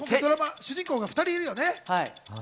主人公が２人いるよね。